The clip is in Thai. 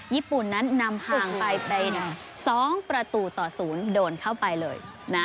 ญี่ปุ่นนั้นนำห่างไปไป๑๒ประตูต่อ๐โดนเข้าไปเลยนะ